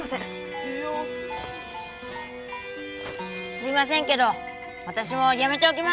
すいませんけど私もやめておきます。